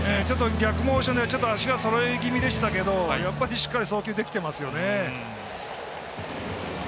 逆モーションでは足がそろい気味でしたけどやっぱりしっかり送球できていますよね。